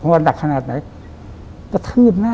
ว่าหนักขนาดไหน